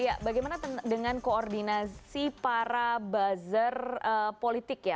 ya bagaimana dengan koordinasi para buzzer politik ya